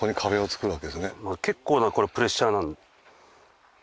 結構なこれプレッシャーになる。